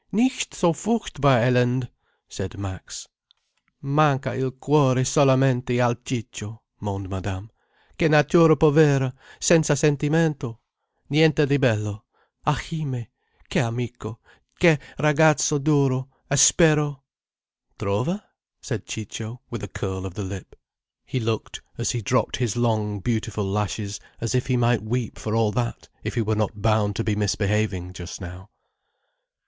Nicht so furchtbar elend," said Max. "Manca il cuore solamente al Ciccio," moaned Madame. "Che natura povera, senza sentimento—niente di bello. Ahimé, che amico, che ragazzo duro, aspero—" "Trova?" said Ciccio, with a curl of the lip. He looked, as he dropped his long, beautiful lashes, as if he might weep for all that, if he were not bound to be misbehaving just now.